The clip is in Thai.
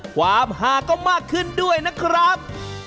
ความหาก็มากขึ้นด้วยนะครับ